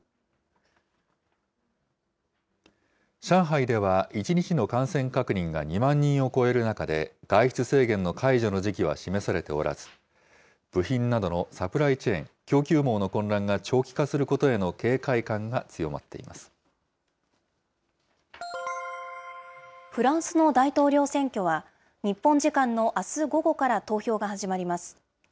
上海では１日の感染確認が２万人を超える中で外出制限の解除の時期は示されておらず、部品などのサプライチェーン・供給網の混乱が長期化することへのフランスの大統領選挙は、日本時間のあす午後から投票が始まります。